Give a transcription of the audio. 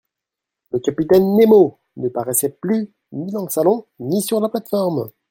Le capitaine Nemo ne paraissait plus, ni dans le salon, ni sur la plate-forme.